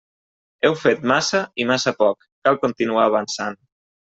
Heu fet massa i massa poc; cal continuar avançant.